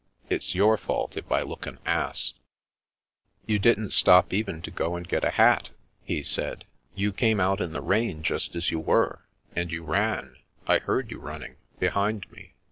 "It's your fault if I look an ass." " You didn't stop even to go and get a hat," he 198 The Princess Passes said. " You came out in the rain just as you were, and you ran — I heard you running, behind me.